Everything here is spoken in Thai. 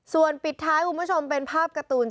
ส่วนปิดท้ายคุณผู้ชมเป็นภาพการ์ตูน